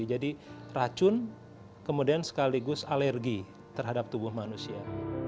jadi racun kemudian sekaligus alergi terhadap tubuh manusia